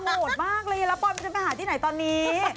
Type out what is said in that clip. โหดมากเลยแล้วปอนมันจะไปหาที่ไหนตอนนี้